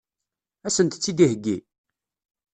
Ad sent-tt-id-iheggi?